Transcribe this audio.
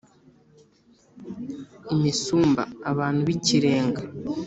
imisumba: abantu b’ikirenga